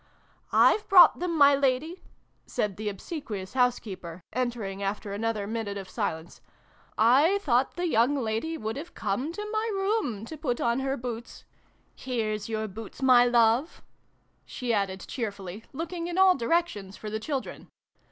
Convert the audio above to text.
"I've brought them, my Lady," said the obsequious housekeeper, entering after another minute of silence. " I thought the young lady would have come to my room to put on 252 SYLVIE AND BRUNO CONCLUDED. her boots. Here's your boots, my love !" she added cheerfully, looking in all directions for the children.